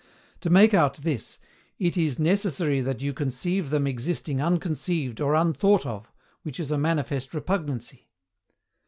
To make out this, IT IS NECESSARY THAT YOU CONCEIVE THEM EXISTING UNCONCEIVED OR UNTHOUGHT OF, WHICH IS A MANIFEST REPUGNANCY.